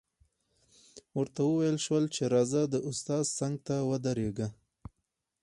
ورته وویل شول چې راځه د استاد څنګ ته ودرېږه